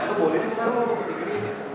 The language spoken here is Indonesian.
tuh boleh nih